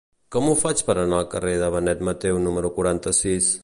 Com ho faig per anar al carrer de Benet Mateu número quaranta-sis?